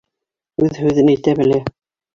Үҙ һүҙен әйтә белә.